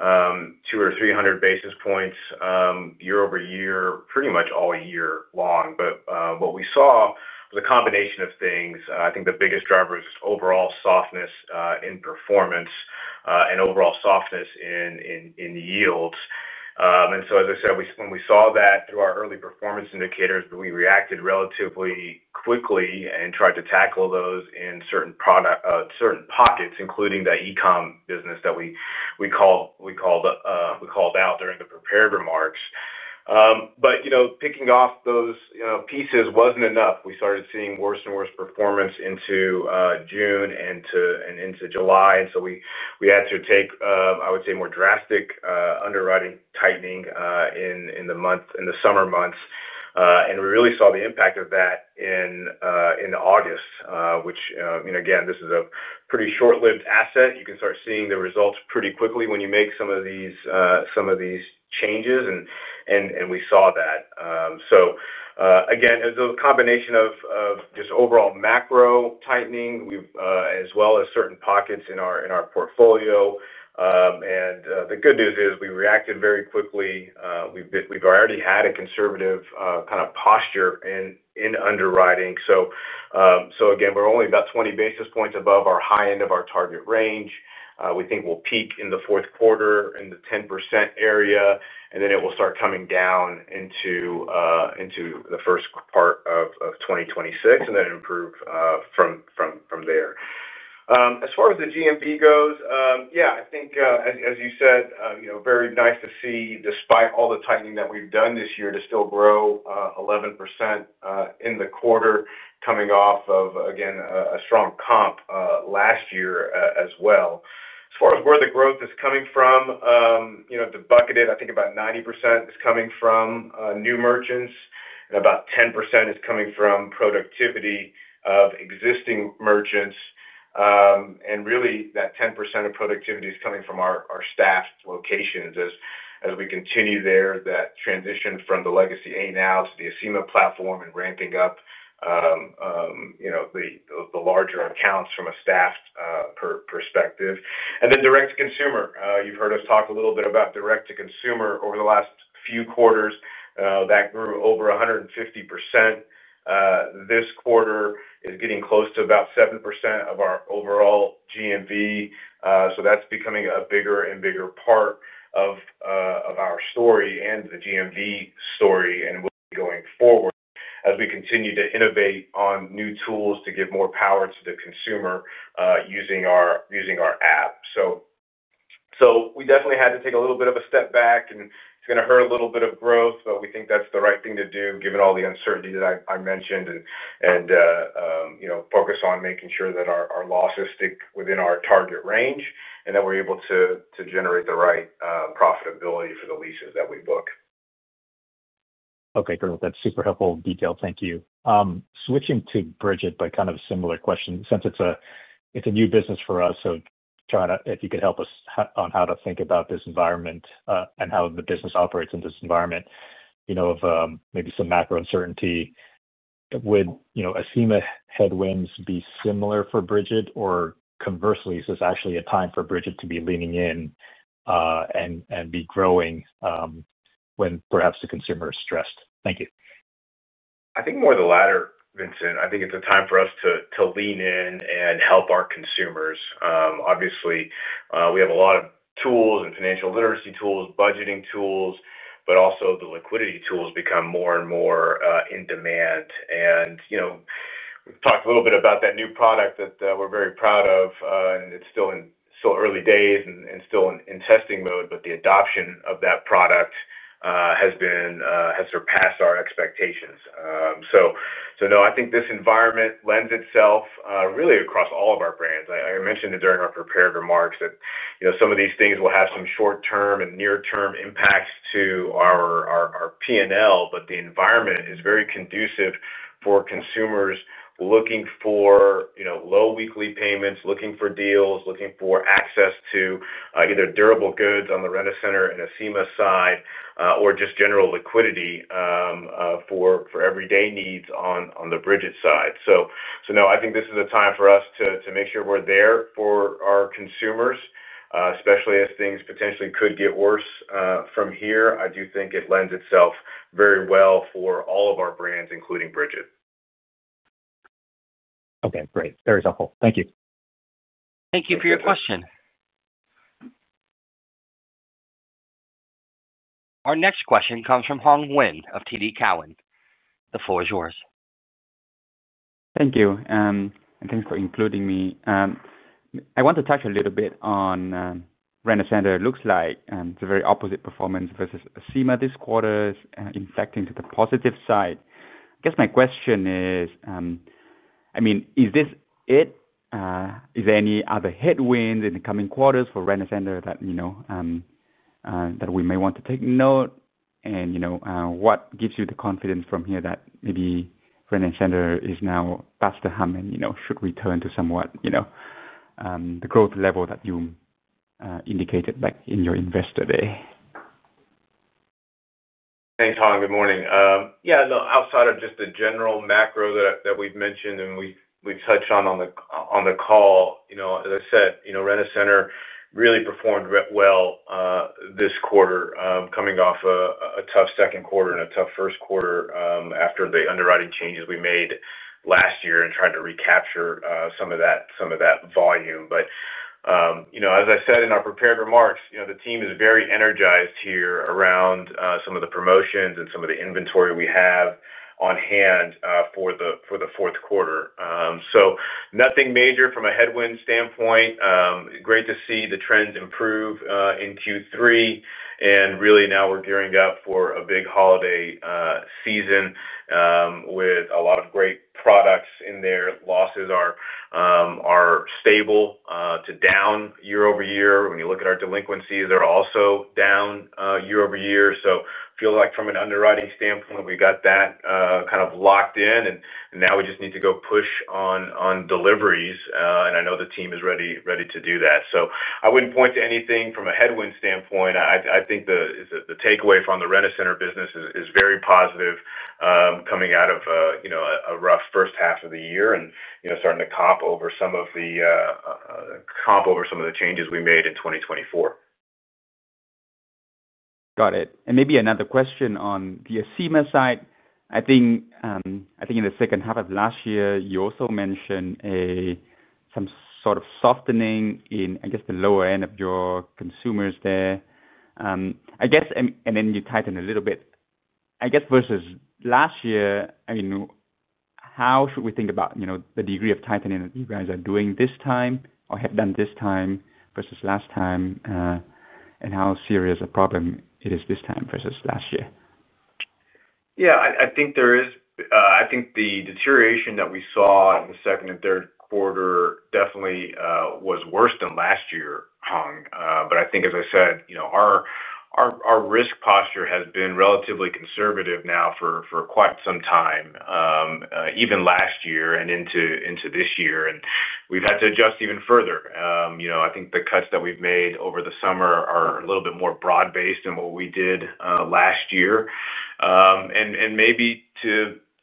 200 or 300 basis points year-over-year, pretty much all year long. What we saw was a combination of things. I think the biggest driver is overall softness in performance and overall softness in yields. As I said, when we saw that through our early performance indicators, we reacted relatively quickly and tried to tackle those in certain pockets, including that e-commerce business that we called outuring the prepared remarks picking off those pieces wasn't enough. We started seeing worse and worse performance into June and into July. We had to take, I would say, more drastic underwriting tightening in the summer months. We really saw the impact of that in August, which again, this is a pretty short-lived asset. You can start seeing the results pretty quickly when you make some of these changes, we saw that as a combination of just overall macroeconomic tightening as well as certain pockets in our portfolio. The good news is we reacted very quickly. We've already had a conservative kind of posture in underwriting. We're only about 20 basis points above our high end of our target range. We think we'll peak in the fourth quarter in the 10% area, and then it will start coming down into the first part of 2026 and then improve from there. As far as the GMV goes. Yeah, I think, as you said, very nice to see despite all the tightening that we've done this year, to still grow 11% in the quarter, coming off of again a strong comp last year as well. As far as where the growth is coming from the bucketed, I think about 90% is coming from new merchants and about 10% is coming from productivity of existing merchants. That 10% of productivity is coming from our staffed locations as we continue that transition from the legacy, now to the Acima platform and ramping up the larger accounts from a staff perspective and then direct to consumer. You've heard us talk a little bit about direct to consumer over the last few quarters that grew over 150% this quarter is getting close to about 7% of our overall GMV. That's becoming a bigger and bigger part of our story and the GMV story, and it will going forward as we continue to innovate on new tools to give more power to the consumer using our app. We definitely had to take a little bit of a step back, and it's going to hurt a little bit of growth. We think that's the right thing to do given all the uncertainty that I mentioned, and focus on making sure that our losses stick within our target range and that we're able to generate the right profitability for the leases that we book. Okay, that's super helpful detail. Thank you. Switching to Brigit, but kind of a similar question since it's a, it's a new business for us. If you could help us on how to think about this environment and how the business operates in this environment, you know, of maybe some macro uncertainty, would, you know, Acima headwinds be similar for Brigit or conversely, is it actually a time for Brigit to be leaning in and be growing when perhaps the consumer is stressed? Thank you. I think more the latter, Vincent. I think it's a time for us to lean in and help our consumers. Obviously, we have a lot of tools and financial literacy tools, budgeting tools, but also the liquidity tools become more and more in demand. We've talked a little bit about that new product that we're very proud of, and it's still early days and still in testing mode, but the adoption of that product has surpassed our expectations. I think this environment lends itself really across all of our brands. I mentioned it during our prepared remarks that some of these things will have some short term and near term impacts to our P&L, but the environment is very conducive for consumers looking for low weekly payments, looking for deals, looking for access to either durable goods on the Rent-A-Center and Acima side or just general liquidity for everyday needs on the Brigit side. I think this is a time for us to make sure we're there for our consumers, especially as things potentially could get worse from here. I do think it lends itself very well for all of our brands, including Brigit. Okay, great. Very helpful. Thank you. Thank you for your question. Our next question comes from Hoang Nguyen of TD Cowen. The floor is yours. Thank you and thanks for including me. I want to touch a little bit on Rent-A-Center. Looks like it's a very opposite performance versus Acima this quarter, impacting to the positive side. I guess my question is, I mean, is this it? Is there any other headwinds in the coming quarters for Rent-A-Center that you know, that we may want to take note? You know, what gives you the confidence from here that maybe Rent-A-Center is now past the hump and should return to somewhat the growth level that you indicated back in your investor day. Thanks, Hoang. Good morning. Yeah, outside of just the general macro that we've mentioned and we've touched on the call, as I said, Rent-A-Center really performed well this quarter, coming off a tough second quarter and a tough first quarter after the underwriting changes we made last year and trying to recapture some of that volume. As I said in our prepared remarks, the team is very energized here around some of the promotions and some of the inventory we have on hand for the fourth quarter. Nothing major from a headwind standpoint. Great to see the trends improve in Q3 and really now we're gearing up for a big holiday season with a lot of great products in there losses are stable to down year-over-year. When you look at our delinquencies, they're also down year-over-year. I feel like from an underwriting standpoint, we got that kind of locked in, and now we just need to go push on deliveries. I know the team is ready to do that. I wouldn't point to anything from a headwind standpoint. I think the takeaway from the Rent-A-Center business is very positive coming out of a rough first half of the year and starting to comp over some of the changes we made in 2024. Got it. Maybe another question on the Acima side. I think in the second half of last year you also mentioned some sort of softening in, I guess, the lower end of your consumers there. You tightened a little bit, I guess, versus last year. How should we think about the degree of tightening that you guys are doing this time or have done this time versus last time, and how serious a problem it is this time versus last year? Yeah, I think there is. I think the deterioration that we saw in the second and third quarter definitely was worse than last year. Hoang. I think, as I said, you know our risk posture has been relatively conservative now for quite some time, even last year and into this year. We've had to adjust even further. I think the cuts that we've made over the summer are a little bit more broad based than what we did last year. Maybe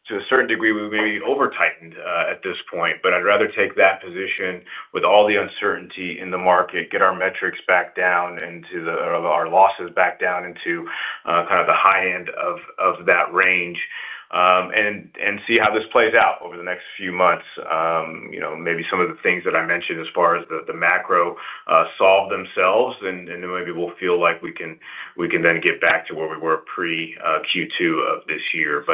to a certain degree we may be over tightened at this point, but I'd rather take that position with all the uncertainty in the market, get our metrics back down into our losses, back down into kind of the high end of that range, and see how this plays out over the next few months. Maybe some of the things that I mentioned as far as the macro solve themselves and then maybe we'll feel like we can then get back to where we were pre Q2 of this year.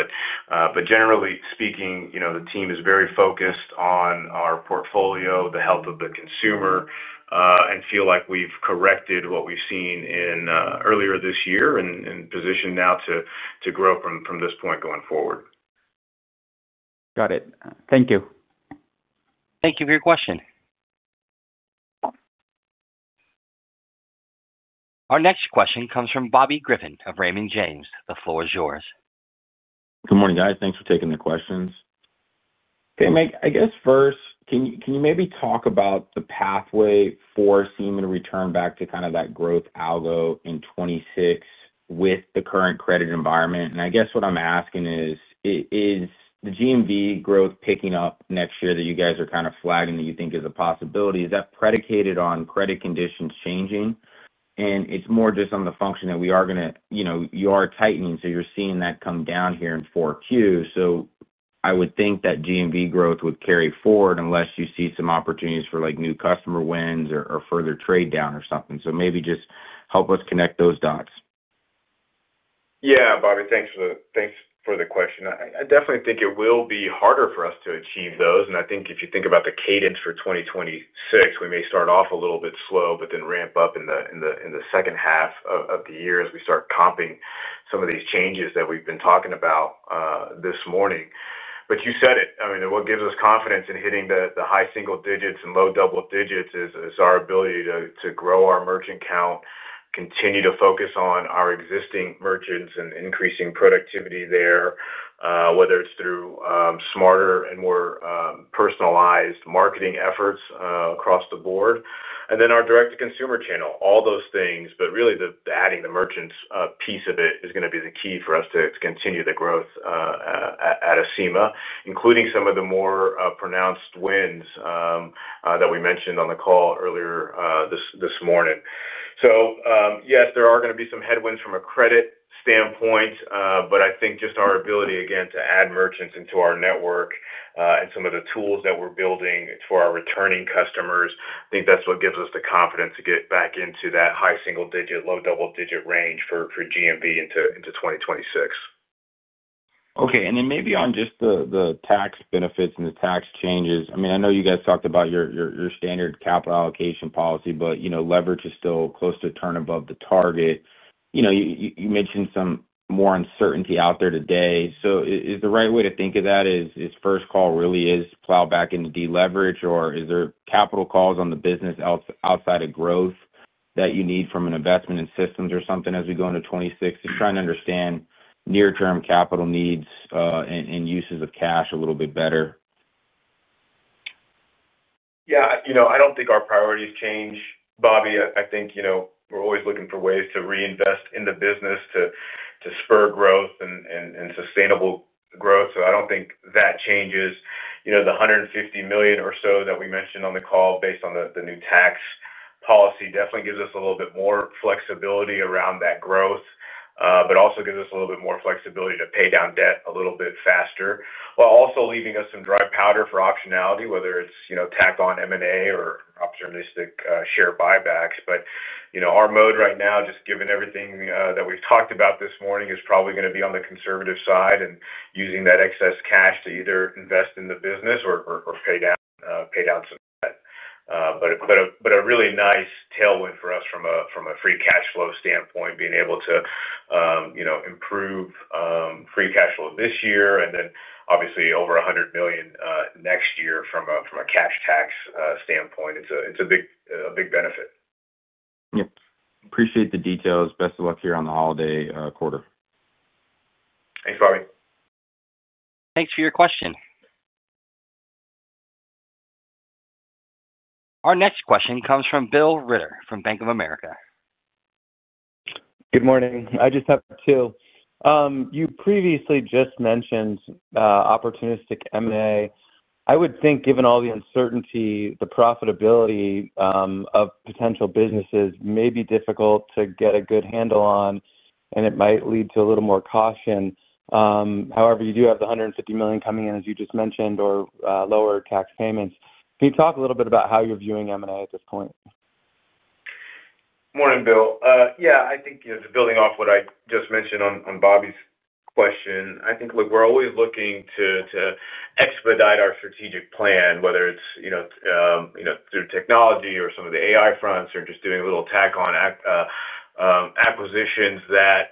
Generally speaking, the team is very focused on our portfolio, the health of the consumer, and feel like we've corrected what we've seen earlier this year and position now to grow from this point going forward. Got it. Thank you. Thank you for your question. Our next question comes from Bobby Griffin of Raymond James. The floor is yours. Good morning, guys. Thanks for taking the questions. Okay, I guess first, can you maybe talk about the pathway for Acima returning back to kind of that growth algo in 2026 with the current credit environment? I guess what I'm asking is, is the GMV growth picking up next year that you guys are kind of flagging that you think is a possibility, is that predicated on credit conditions changing? It's more just on the function that we are going to, you know, you are tightening so you're seeing that come down here in 4Q. I would think that GMV growth would carry forward unless you see some opportunities for new customer wins or for further trade down or something. Maybe just help us connect those dots. Yeah, Bobby, thanks for the question. I definitely think it will be harder for us to achieve those. If you think about. The cadence for 2026, we may start. Off a little bit slow, but then ramp up in the second half of the year as we start comping some of these changes that we've been talking about this morning. You said it. I mean, what gives us confidence in hitting the high single digits and low double digits is our ability to grow our merchant count, continue to focus on our existing merchants and increasing productivity there, whether it's through smarter and more personalized marketing efforts across the board. And then our direct to consumer channel, all those things that really does the adding the merchants piece of it is going to be the key for us to continue the growth at Acima, including some of the more pronounced wins that we mentioned on the call earlier this morning. Yes, there are going to be some headwinds from a credit standpoint, but I think just our ability again to add merchants into our network and some of the tools that we're building for our returning customers, I think that's what gives us the confidence to get back into that high single digit, low double digit range for GMV into 2026. Okay. Maybe on just the tax benefits and the tax changes. I know you guys talked about your standard capital allocation policy, but leverage is still close to a turn above the target. You mentioned some more uncertainty out there today. Is the right way to think of that as first call really is plow back into deleveraging, or is there capital calls on the business outside of growth that you need from an investment in systems or something as we go into 2026? Just trying to understand near term capital needs and uses of cash a little bit better? Yeah, you know I don't think our priorities change, Bobby. I think you know we're always looking for ways to reinvest in the business to spur growth and sustainable growth. I don't think that changes. The $150 million or so that we mentioned on the call based on the new tax policy definitely gives us a little bit more flexibility around that growth, but also gives us a little bit more flexibility to pay down debt a little bit faster while also leaving us some dry powder for optionality. Whether it's tack on M and A or opportunistic share buybacks, our mode right now, just given everything that we've talked about this morning, is probably going to be on the conservative side and using that excess cash to use either invest in the business or pay down some debt. But a really nice tailwind for us from a free cash flow standpoint, being able to improve free cash flow this year and then obviously over $100 million next year from a cash tax standpoint. It's a big benefit. Appreciate the details. Best of luck here on the holiday quarter. Thanks Bobby. Thanks for your question. Our next question comes from Bill Reuter from Bank of America. Good morning. I just have two. You previously just mentioned opportunistic M&A. I would think given all the uncertainty, the profitability of potential business may be difficult to get a good handle on, and it might lead to a little more caution. However, you do have the $150 million coming in as you just mentioned, or lower tax payments. Can you talk a little bit about how are you viewing M&A at this point? Morning, Bill. Yeah, I think building off what I just mentioned on Bobby's question, I think we're always looking to expedite our strategic plan, whether it's through technology or some of the AI fronts or just doing a little tack-on acquisitions that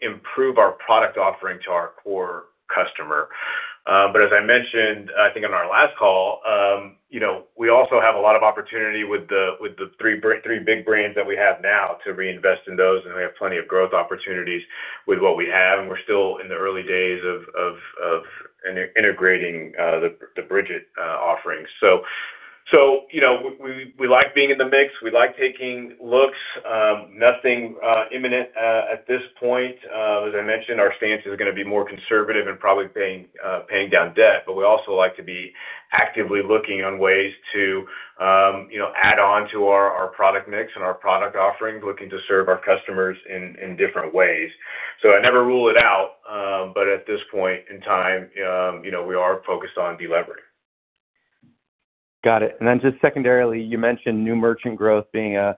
improve our product offering to our core customer. As I mentioned, I think on our last call we also have a lot of opportunity with the three big brands that we have now to reinvest in those we have plenty of growth opportunities. With what we have, we're still in the early days of integrating the Brigit offerings. We like being in the mix, we like taking looks. Nothing imminent at this point. As I mentioned, our stance is going to be more conservative and probably paying down debt. We also like to be actively looking on ways to add on to our product mix and our product offerings, looking to serve our customers in different ways. I never rule it out. At this point in time we are focused on deleveraging. Got it. You mentioned new merchant growth being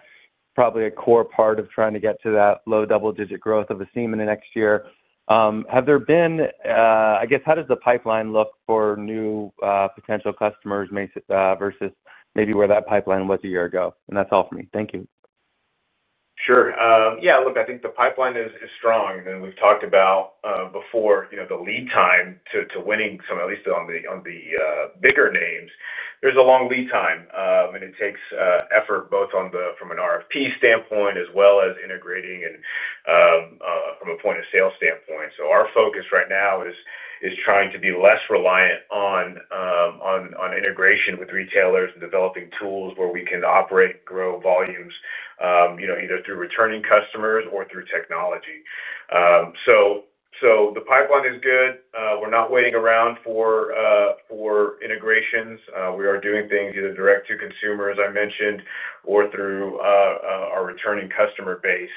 probably a core part of trying to get to that low double digit growth of Acima in the next year. How does the pipeline look for new potential customers versus maybe where that pipeline was a year ago? That's all for me. Thank you. Sure. Yeah, look, I think the pipeline is strong and we've talked about before the lead time to winning some, at least on the bigger names. There's a long lead time and it takes effort both from an RFP standpoint as well as integrating from a point of sale standpoint. Our focus right now is trying to be less reliant on integration with retailers and developing tools where we can operate, grow volumes either through returning customers or through technology, the pipeline is good. We're not waiting around for integrations. We are doing things either direct to consumers, I mentioned, or through our returning customer base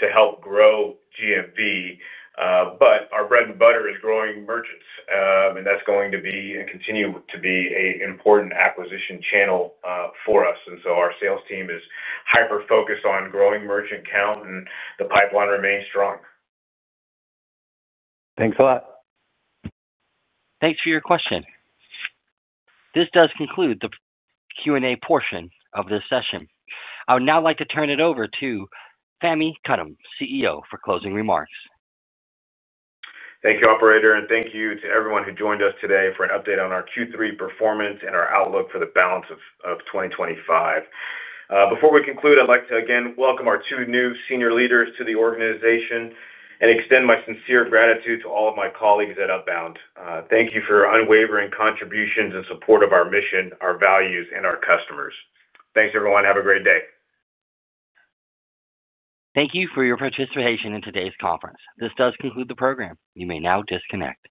to help grow GMV. Our bread and butter is growing merchants, and that's going to be a continuing growth to be an important acquisition channel for us, and our sales team is hyper focused on growing merchant count, and the pipeline remains strong. Thanks a lot. Thanks for your question. This does conclude the Q&A portion of this session. I would now like to turn it over to Fahmi Karam, CEO, for closing remarks. Thank you, Operator. Thank you to everyone who joined us today for an update on our Q3 performance and our outlook for the balance of 2025. Before we conclude, I'd like to again welcome our 2 new senior leaders to the organization and extend my sincere gratitude to all of my colleagues at Upbound. Thank you for your unwavering contributions and support of our mission, our values, and our customers. Thanks, everyone. Have a great day. Thank you for your participation in today's conference. This does conclude the program. You may now disconnect.